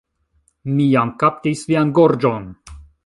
Mi jam kaptis vian gorĝon.